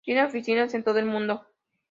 Tiene oficinas en todo el mundo.